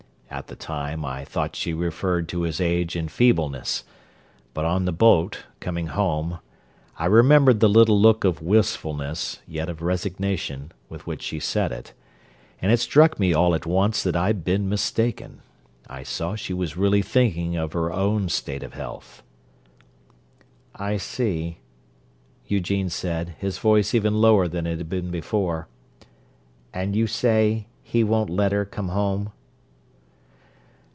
At the time I thought she referred to his age and feebleness, but on the boat, coming home, I remembered the little look of wistfulness, yet of resignation, with which she said it, and it struck me all at once that I'd been mistaken: I saw she was really thinking of her own state of health." "I see," Eugene said, his voice even lower than it had been before. "And you say he won't 'let' her come home?"